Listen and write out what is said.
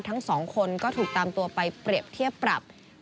ทั้งสองคนก็ถูกตามตัวไปเปรียบเทียบปรับ